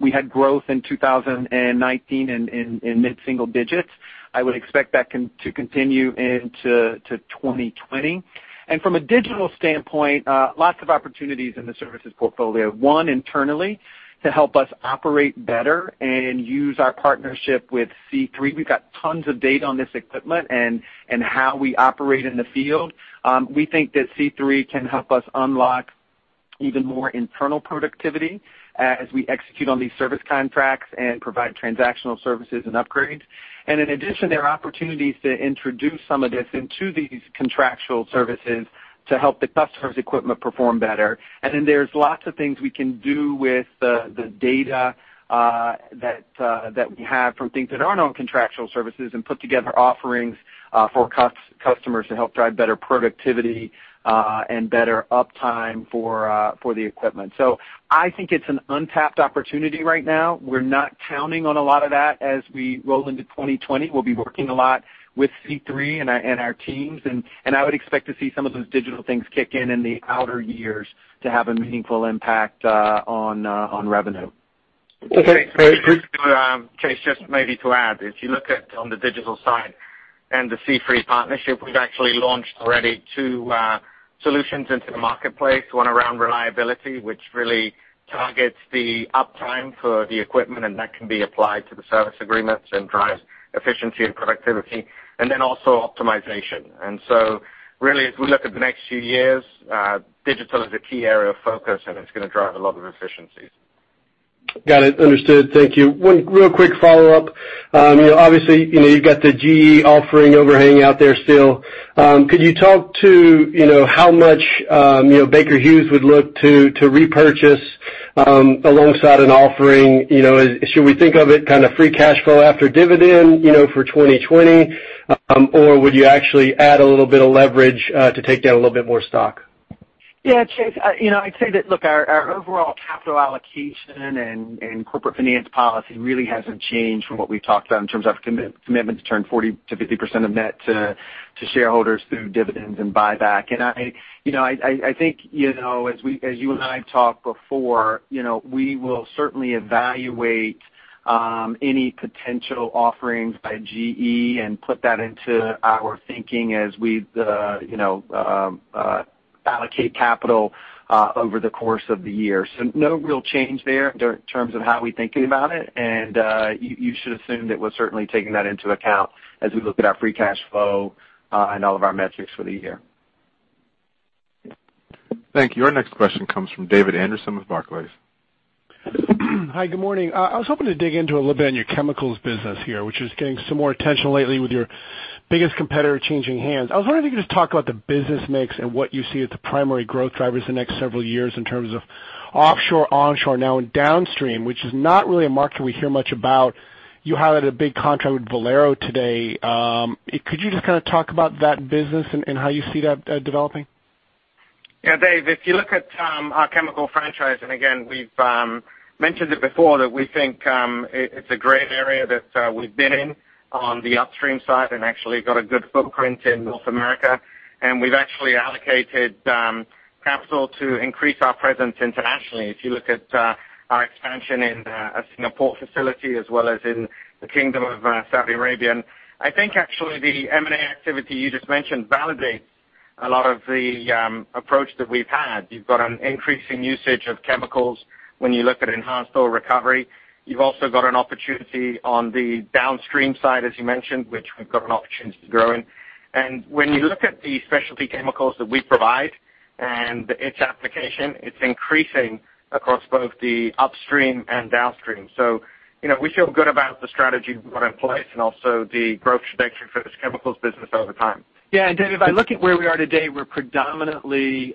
we had growth in 2019 in mid-single digits. I would expect that to continue into 2020. From a digital standpoint, lots of opportunities in the services portfolio. One, internally to help us operate better and use our partnership with C3. We've got tons of data on this equipment and how we operate in the field. We think that C3 can help us unlock even more internal productivity as we execute on these service contracts and provide transactional services and upgrades. In addition, there are opportunities to introduce some of this into these contractual services to help the customer's equipment perform better. There's lots of things we can do with the data that we have from things that aren't on contractual services and put together offerings for customers to help drive better productivity, and better uptime for the equipment. I think it's an untapped opportunity right now. We're not counting on a lot of that as we roll into 2020. We'll be working a lot with C3 and our teams, and I would expect to see some of those digital things kick in in the outer years to have a meaningful impact on revenue. Okay. Chase, just maybe to add, if you look at on the digital side and the C3 partnership, we've actually launched already two solutions into the marketplace, one around reliability, which really targets the uptime for the equipment, and that can be applied to the service agreements and drives efficiency and productivity, and then also optimization. Really, as we look at the next few years, digital is a key area of focus, and it's going to drive a lot of efficiencies. Got it. Understood. Thank you. One real quick follow-up. Obviously, you've got the GE offering overhang out there still. Could you talk to how much Baker Hughes would look to repurchase alongside an offering? Should we think of it kind of free cash flow after dividend for 2020? Would you actually add a little bit of leverage to take down a little bit more stock? Yeah, Chase, I'd say that, look, our overall capital allocation and corporate finance policy really hasn't changed from what we've talked about in terms of commitment to turn 40%-50% of net to shareholders through dividends and buyback. I think, as you and I have talked before, we will certainly evaluate any potential offerings by GE and put that into our thinking as we allocate capital over the course of the year. No real change there in terms of how we're thinking about it, and you should assume that we're certainly taking that into account as we look at our free cash flow and all of our metrics for the year. Thank you. Our next question comes from David Anderson with Barclays. Hi, good morning. I was hoping to dig into a little bit on your chemicals business here, which is getting some more attention lately with your biggest competitor changing hands. I was wondering if you could just talk about the business mix and what you see as the primary growth drivers the next several years in terms of offshore, onshore, now and downstream, which is not really a market we hear much about. You highlighted a big contract with Valero today. Could you just kind of talk about that business and how you see that developing? David, if you look at our chemical franchise, and again, we've mentioned it before that we think it's a great area that we've been in on the upstream side and actually got a good footprint in North America. We've actually allocated capital to increase our presence internationally, if you look at our expansion in a Singapore facility as well as in the Kingdom of Saudi Arabia. I think actually the M&A activity you just mentioned validates a lot of the approach that we've had. You've got an increasing usage of chemicals when you look at enhanced oil recovery. You've also got an opportunity on the downstream side, as you mentioned, which we've got an opportunity to grow in. When you look at the specialty chemicals that we provide and its application, it's increasing across both the upstream and downstream. We feel good about the strategy we've got in place and also the growth trajectory for this chemicals business over time. Yeah. David, if I look at where we are today, we're predominantly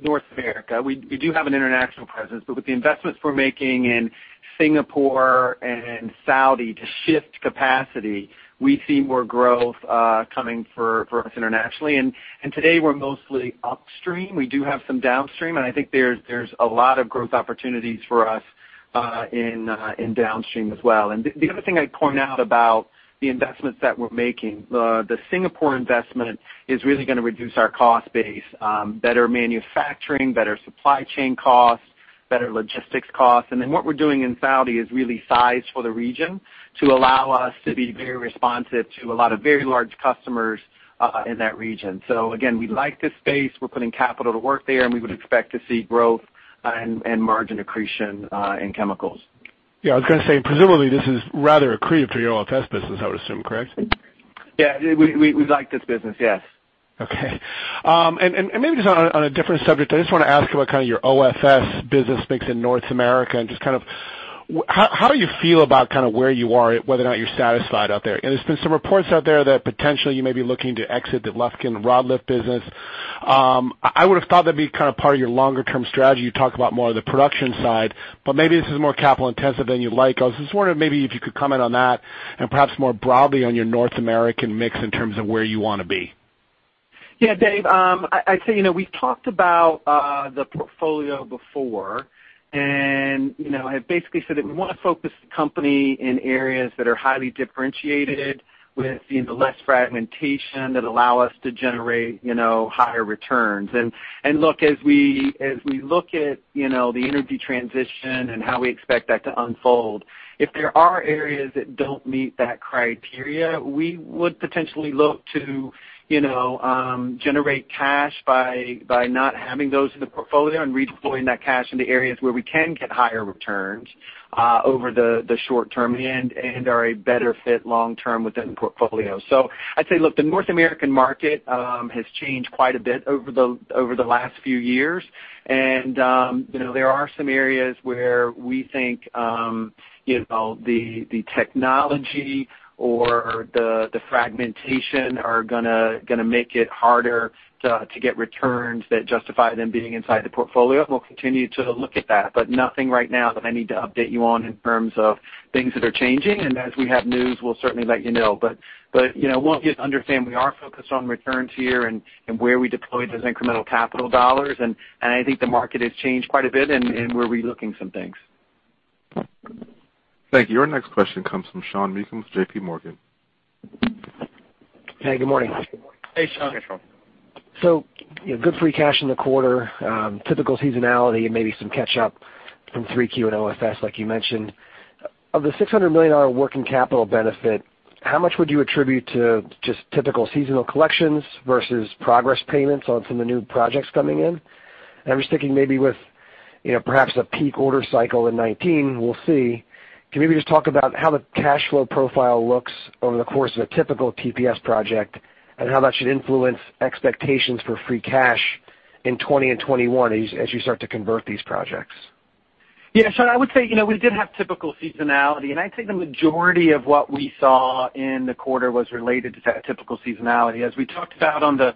North America. We do have an international presence, but with the investments we're making in Singapore and Saudi to shift capacity, we see more growth coming for us internationally. Today we're mostly upstream. We do have some downstream, and I think there's a lot of growth opportunities for us in downstream as well. The other thing I'd point out about the investments that we're making, the Singapore investment is really going to reduce our cost base, better manufacturing, better supply chain costs, better logistics costs. What we're doing in Saudi is really sized for the region to allow us to be very responsive to a lot of very large customers in that region. Again, we like this space. We're putting capital to work there, and we would expect to see growth and margin accretion in chemicals. Yeah, I was going to say, presumably this is rather accretive to your OFS business, I would assume, correct? Yeah. We like this business, yes. Okay. Maybe just on a different subject, I just want to ask about kind of your OFS business mix in North America and just how you feel about where you are, whether or not you're satisfied out there. There's been some reports out there that potentially you may be looking to exit the Lufkin rod lift business. I would've thought that'd be kind of part of your longer-term strategy. You talked about more of the production side, but maybe this is more capital intensive than you'd like. I was just wondering maybe if you could comment on that and perhaps more broadly on your North American mix in terms of where you want to be. Dave, I'd say, we've talked about the portfolio before, and I've basically said that we want to focus the company in areas that are highly differentiated with less fragmentation that allow us to generate higher returns. Look, as we look at the energy transition and how we expect that to unfold, if there are areas that don't meet that criteria, we would potentially look to generate cash by not having those in the portfolio and redeploying that cash into areas where we can get higher returns over the short term and are a better fit long term within the portfolio. I'd say, look, the North American market has changed quite a bit over the last few years. There are some areas where we think the technology or the fragmentation are going to make it harder to get returns that justify them being inside the portfolio. We'll continue to look at that, nothing right now that I need to update you on in terms of things that are changing. As we have news, we'll certainly let you know. I want you to understand we are focused on returns here and where we deploy those incremental capital dollars. I think the market has changed quite a bit and we're relooking some things. Thank you. Your next question comes from Sean Meakim with JPMorgan. Hey, good morning. Hey, Sean. Hey, Sean. Good free cash in the quarter. Typical seasonality and maybe some catch up from 3Q and OFS, like you mentioned. Of the $600 million working capital benefit, how much would you attribute to just typical seasonal collections versus progress payments on some of the new projects coming in? I'm just thinking maybe with perhaps a peak order cycle in 2019, we'll see. Can you maybe just talk about how the cash flow profile looks over the course of a typical TPS project, and how that should influence expectations for free cash in 2020 and 2021 as you start to convert these projects? Yeah, Sean, I would say we did have typical seasonality, and I'd say the majority of what we saw in the quarter was related to that typical seasonality. As we talked about on the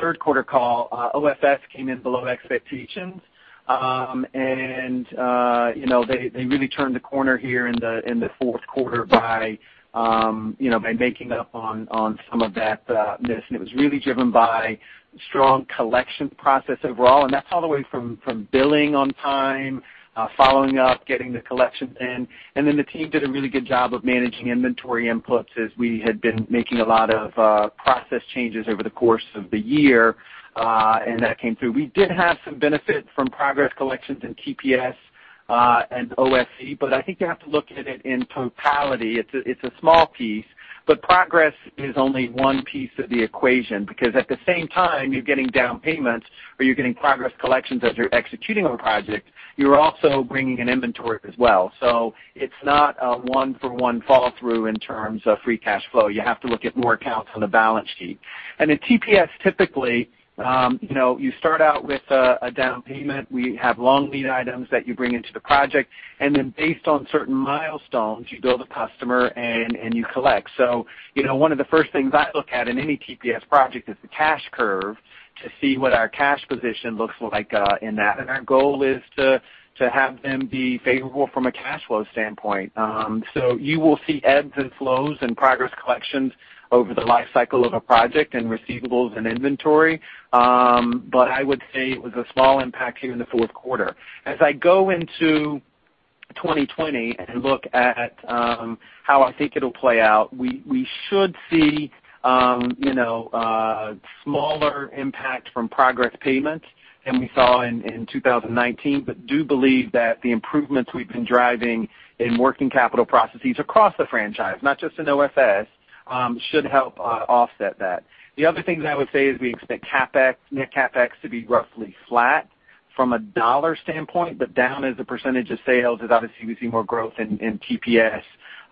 third quarter call, OFS came in below expectations. They really turned the corner here in the fourth quarter by making up on some of that miss. It was really driven by strong collection process overall, and that's all the way from billing on time, following up, getting the collections in. Then the team did a really good job of managing inventory inputs as we had been making a lot of process changes over the course of the year, and that came through. We did have some benefit from progress collections in TPS and OFE, but I think you have to look at it in totality. It's a small piece, but progress is only one piece of the equation, because at the same time you're getting down payments or you're getting progress collections as you're executing on a project, you're also bringing in inventory as well. It's not a one for one follow through in terms of free cash flow. You have to look at more accounts on the balance sheet. In TPS, typically you start out with a down payment. We have long lead items that you bring into the project, and then based on certain milestones, you bill the customer and you collect. One of the first things I look at in any TPS project is the cash curve to see what our cash position looks like in that. Our goal is to have them be favorable from a cash flow standpoint. You will see ebbs and flows in progress collections over the life cycle of a project and receivables and inventory. I would say it was a small impact here in the fourth quarter. As I go into 2020 and look at how I think it'll play out, we should see smaller impact from progress payments than we saw in 2019, but do believe that the improvements we've been driving in working capital processes across the franchise, not just in OFS, should help offset that. The other things I would say is we expect net CapEx to be roughly flat from a dollar standpoint, but down as a percentage of sales as obviously we see more growth in TPS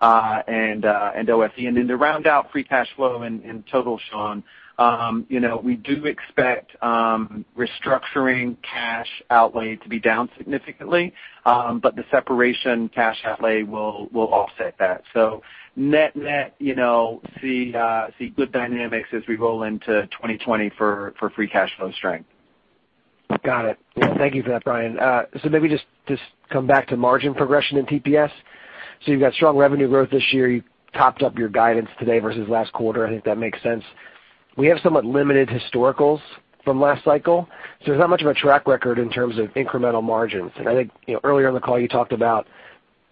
and OFE. To round out free cash flow in total, Sean, we do expect restructuring cash outlay to be down significantly. The separation cash outlay will offset that. Net-net, see good dynamics as we roll into 2020 for free cash flow strength. Got it. Thank you for that, Brian. Maybe just come back to margin progression in TPS. You've got strong revenue growth this year. You topped up your guidance today versus last quarter. I think that makes sense. We have somewhat limited historicals from last cycle, so there's not much of a track record in terms of incremental margins. I think earlier in the call, you talked about,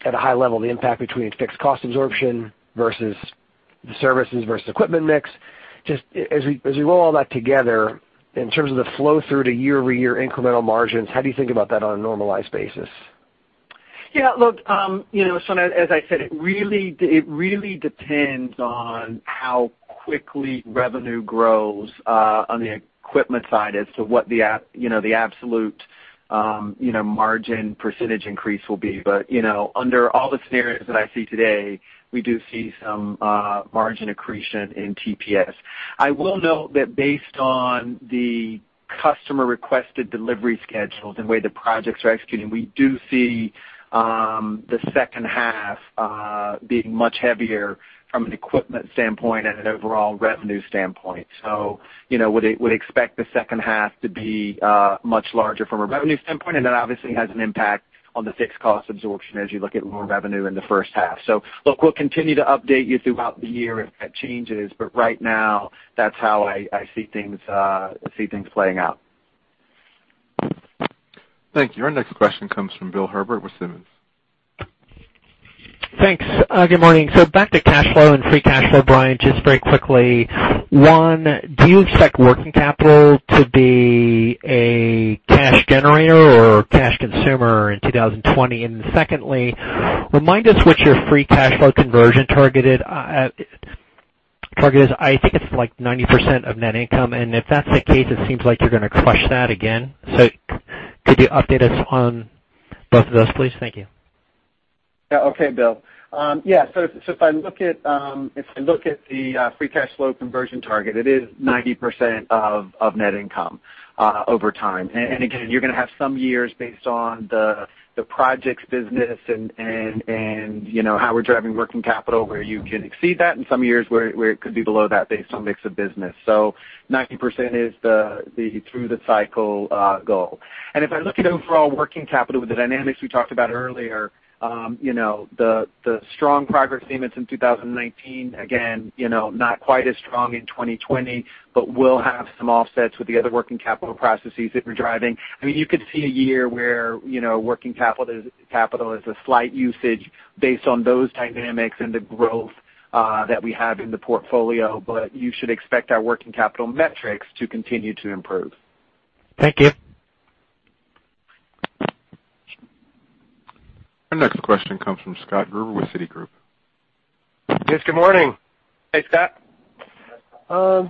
at a high level, the impact between fixed cost absorption versus the services versus equipment mix. Just as we roll all that together in terms of the flow through to year-over-year incremental margins, how do you think about that on a normalized basis? Look, Sean, as I said, it really depends on how quickly revenue grows on the equipment side as to what the absolute margin percentage increase will be. Under all the scenarios that I see today, we do see some margin accretion in TPS. I will note that based on the customer requested delivery schedules and the way the projects are executing, we do see the second half being much heavier from an equipment standpoint and an overall revenue standpoint. Would expect the second half to be much larger from a revenue standpoint. That obviously has an impact on the fixed cost absorption as you look at more revenue in the first half. Look, we'll continue to update you throughout the year if that changes. Right now, that's how I see things playing out. Thank you. Our next question comes from Bill Herbert with Simmons. Thanks. Good morning. Back to cash flow and free cash flow, Brian, just very quickly. One, do you expect working capital to be a cash generator or cash consumer in 2020? Secondly, remind us what your free cash flow conversion target is. I think it's like 90% of net income. If that's the case, it seems like you're going to crush that again. Could you update us on both of those, please? Thank you. Yeah. Okay, Bill. If I look at the free cash flow conversion target, it is 90% of net income over time. Again, you're going to have some years based on the projects business and how we're driving working capital, where you can exceed that, and some years where it could be below that based on mix of business. 90% is the through the cycle goal. If I look at overall working capital with the dynamics we talked about earlier, the strong progress payments in 2019, again, not quite as strong in 2020, but we'll have some offsets with the other working capital processes that we're driving. You could see a year where working capital is a slight usage based on those dynamics and the growth that we have in the portfolio, you should expect our working capital metrics to continue to improve. Thank you. Our next question comes from Scott Gruber with Citigroup. Yes, good morning. Hey, Scott.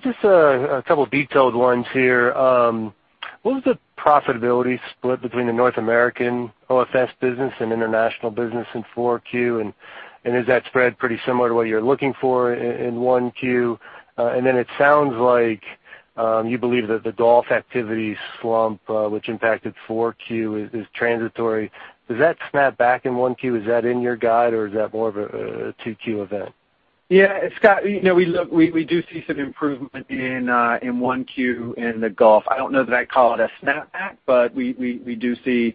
Just a couple of detailed ones here. What was the profitability split between the North American OFS business and international business in 4Q, and is that spread pretty similar to what you're looking for in 1Q? It sounds like you believe that the Gulf activity slump, which impacted 4Q, is transitory. Does that snap back in 1Q? Is that in your guide, or is that more of a 2Q event? Yeah, Scott, we do see some improvement in 1Q in the Gulf. I don't know that I'd call it a snapback, but we do see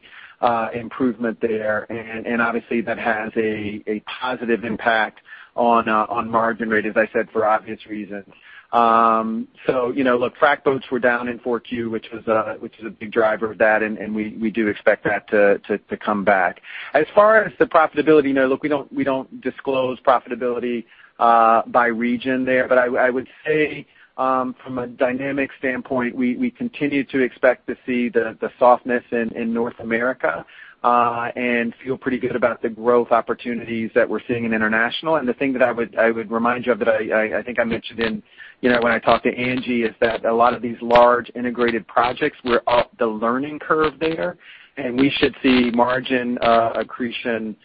improvement there, and obviously, that has a positive impact on margin rate, as I said, for obvious reasons. Look, frac loads were down in 4Q, which was a big driver of that, and we do expect that to come back. As far as the profitability, look, we don't disclose profitability by region there. I would say, from a dynamic standpoint, we continue to expect to see the softness in North America, and feel pretty good about the growth opportunities that we're seeing in international. The thing that I would remind you of, that I think I mentioned when I talked to Angie, is that a lot of these large integrated projects, we're up the learning curve there, and we should see margin accretion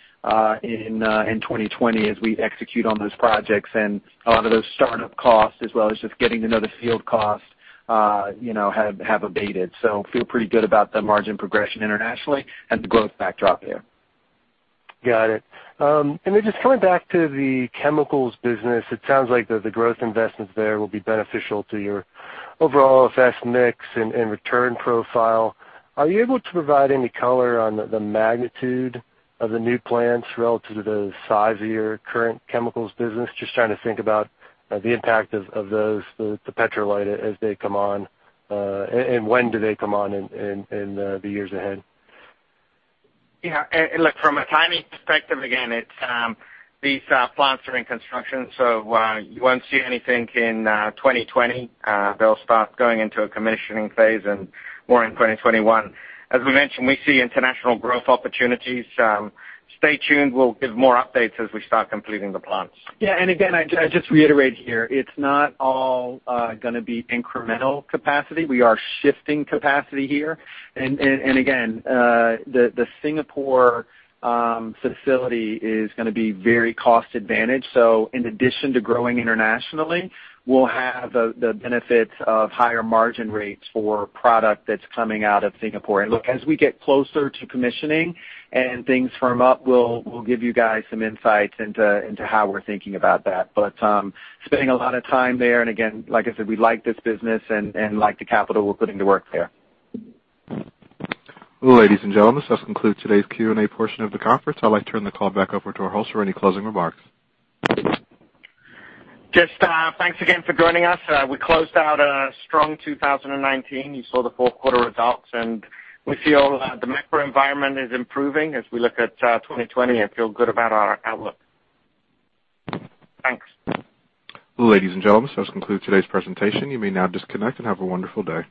in 2020 as we execute on those projects. A lot of those startup costs, as well as just getting to know the field costs, have abated. Feel pretty good about the margin progression internationally and the growth backdrop there. Got it. Just coming back to the chemicals business, it sounds like the growth investments there will be beneficial to your overall OFS mix and return profile. Are you able to provide any color on the magnitude of the new plants relative to the size of your current chemicals business? Just trying to think about the impact of those, the Petrolite, as they come on, and when do they come on in the years ahead. Yeah. Look, from a timing perspective, again, these plants are in construction, so you won't see anything in 2020. They'll start going into a commissioning phase more in 2021. As we mentioned, we see international growth opportunities. Stay tuned. We'll give more updates as we start completing the plants. Yeah, again, I just reiterate here, it's not all going to be incremental capacity. We are shifting capacity here. Again, the Singapore facility is going to be very cost-advantaged. In addition to growing internationally, we'll have the benefits of higher margin rates for product that's coming out of Singapore. Look, as we get closer to commissioning and things firm up, we'll give you guys some insights into how we're thinking about that. Spending a lot of time there, and again, like I said, we like this business and like the capital we're putting to work there. Ladies and gentlemen, this concludes today's Q&A portion of the conference. I'd like to turn the call back over to our host for any closing remarks. Just thanks again for joining us. We closed out a strong 2019. You saw the fourth quarter results, and we feel the macro environment is improving as we look at 2020 and feel good about our outlook. Thanks. Ladies and gentlemen, this concludes today's presentation. You may now disconnect and have a wonderful day.